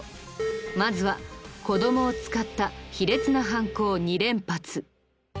まずは子供を使った卑劣な犯行２連発。